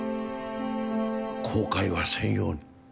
後悔は、せんように。